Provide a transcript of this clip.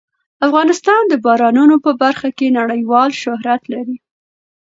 افغانستان د بارانونو په برخه کې نړیوال شهرت لري.